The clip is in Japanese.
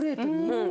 うん。